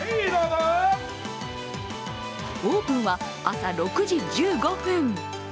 オープンは朝６時１５分。